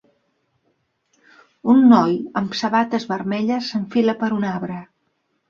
Un noi amb sabates vermelles s'enfila per un arbre.